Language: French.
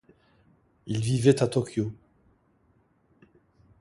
Il vivait à Tokyo.